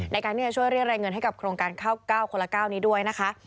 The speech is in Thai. ในการที่จะช่วยเรียกรายเงินให้กับโครงการ๙๙คนละ๙นี้ด้วยนะคะ